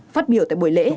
phát biểu tại buổi lễ